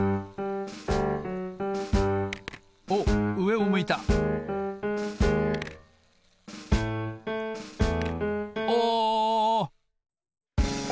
おっうえを向いたお！